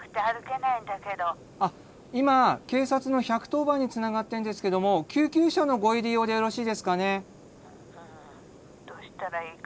あっ今警察の１１０番につながってんですけども救急車のご入り用でよろしいですかね？